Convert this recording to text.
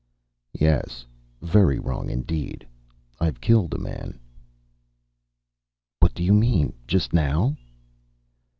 "Yes. Very wrong indeed. I've killed a man." "What do you mean? Just now?"